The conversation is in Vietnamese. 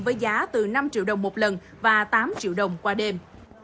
với giá từ năm triệu đồng một lần và tám triệu đồng qua đêm